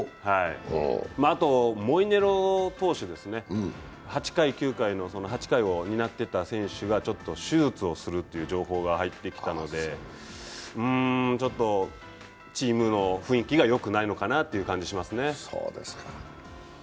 あと、モイネロ投手、８回、９回の８回を担っていた選手がちょっと手術をするという情報が入ってきたので、うーん、チームの雰囲気がよくないのかなという気がしますね。